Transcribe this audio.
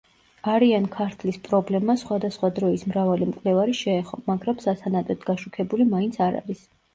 არიან-ქართლის პრობლემას სხვადასხვა დროის მრავალი მკვლევარი შეეხო, მაგრამ სათანადოდ გაშუქებული მაინც არ არის.